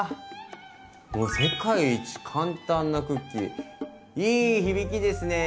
もう「世界一簡単なクッキー」いい響きですね。